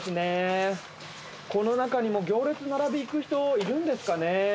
この中にも行列並びに行く人いるんですかね？